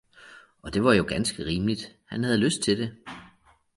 og det var jo ganske rimeligt, han havde lyst til det.